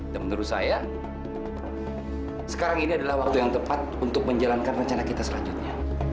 dan menurut saya sekarang ini adalah waktu yang tepat untuk menjalankan rencana kita selanjutnya